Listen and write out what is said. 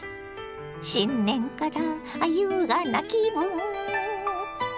新年から優雅な気分。